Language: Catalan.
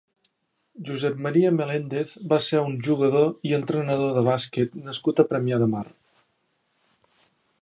Josep Maria Meléndez va ser un jugador i entrenador de bàsquet nascut a Premià de Mar.